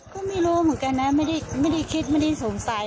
ก็ไม่รู้เหมือนกันนะไม่ได้คิดไม่ได้สงสัย